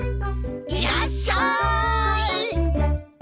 いらっしゃい！